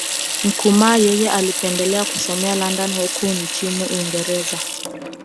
Nkrumah yeye alipendelea kusoma London huko nchini Uingereza